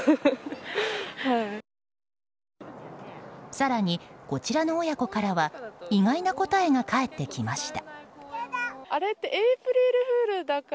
更に、こちらの親子からは意外な答えが返ってきました。